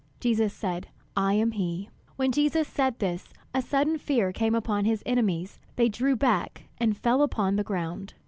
Jesus said, "I am he." When Jesus said this, a sudden fear came upon his enemies; they drew back and fell upon the ground.